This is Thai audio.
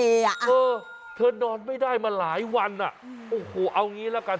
เออเธอนอนไม่ได้มาหลายวันอ่ะโอ้โหเอางี้ละกัน